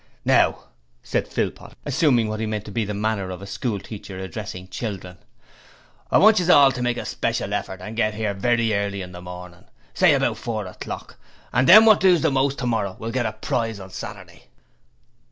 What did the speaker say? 'Now,' said Philpot, assuming what he meant to be the manner of a school teacher addressing children, 'I wants you hall to make a speshall heffort and get 'ere very early in the mornin' say about four o'clock and them wot doos the most work tomorrer, will get a prize on Saturday.'